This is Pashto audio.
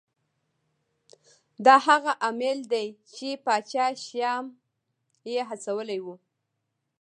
دا هغه عامل دی چې پاچا شیام یې هڅولی و.